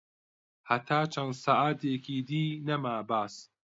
هەتا چەن ساعەتێکی دی نەما باس